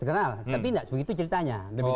oh itu kenal tapi nggak itu ceritanya